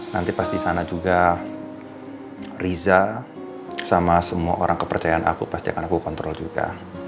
nanti pas di sana juga riza sama semua orang kepercayaan aku pasti akan aku kontrol juga